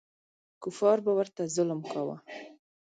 کفار به ورته ظلم کاوه.